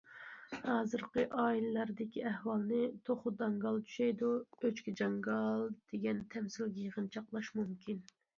ھازىرقى ئائىلىلەردىكى ئەھۋالنى« توخۇ داڭگال چۈشەيدۇ، ئۆچكە جاڭگال» دېگەن تەمسىلگە يىغىنچاقلاش مۇمكىن.